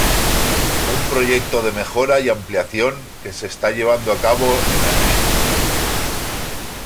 Un proyecto de mejora y ampliación se está llevando a cabo en el mismo.